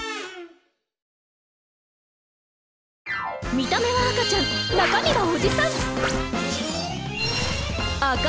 見た目は赤ちゃん中身はおじさん！